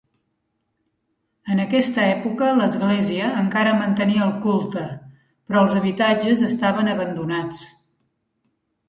En aquesta època l'església encara mantenia el culte, però els habitatges estaven abandonats.